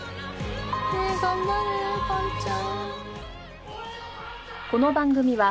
頑張れぱんちゃん。